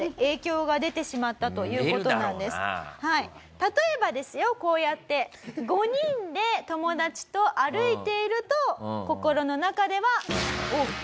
例えばですよこうやって５人で友達と歩いていると心の中では。